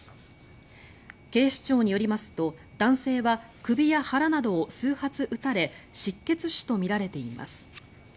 警視庁によりますと男性は首や腹などを数発撃たれ失血死とみられています。